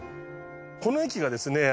この駅がですね